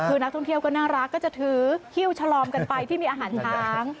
คือนักท่องเที่ยวก็น่ารักก็จะถือคิ้วชะลอมกันไปที่มีอาหารช้าง